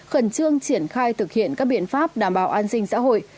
khẩn trương triển khai thực hiện các biện pháp đảm bảo an sinh xã hội